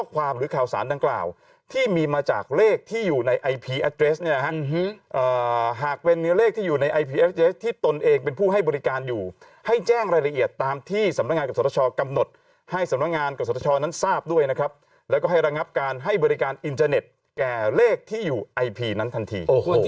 กรรมที่สำนักงานกฏศทชกำหนดให้สำนักงานกฏศทชร์นั้นทราบด้วยนะครับแล้วก็ให้รังพการให้บริการอินเทอร์เน็ตแก่เลขที่อยู่อายพีนั้นทันที